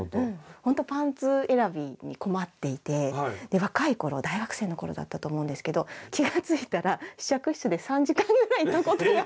ほんとパンツ選びに困っていて若い頃大学生の頃だったと思うんですけど気が付いたら試着室で３時間ぐらいいたことがあって。